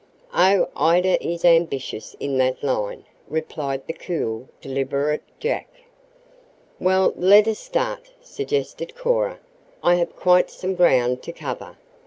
"Oh, Ida is ambitious in that line," replied the cool, deliberate Jack. "Well, let us start," suggested Cora. "I have quite some ground to cover.